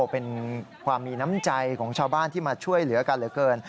เป็นความมีน้ำใจของชาวบ้านที่มาช่วยเหลือกันเหลือเกิน